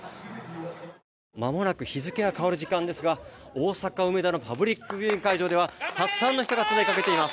まもなく日付が変わる時間ですが大阪・梅田のパブリックビューイング会場ではたくさんの人が詰めかけています。